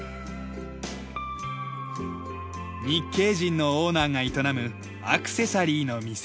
日系人のオーナーが営むアクセサリーの店。